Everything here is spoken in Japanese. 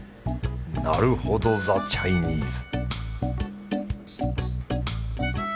なるほど・ザ・チャイニーズ